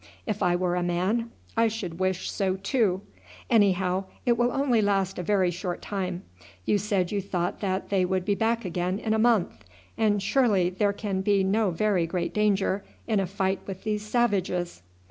If I were a man I should wish so too. Anyhow, it will only last a very short time. You said you thought that they would be back again in a month, and surely there can be no very great danger in a fight with these savages."